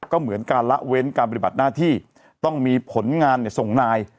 ก็เหมือนการละเว้นการปฏิบัติหน้าที่ต้องมีผลงานส่งนาย